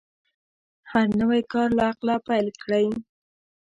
هر نوی کار له عقله پیل کړئ.